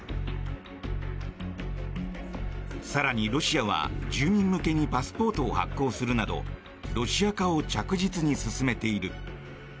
更に、ロシアは住民向けにパスポートを発行するなどロシア化を着実に進めている。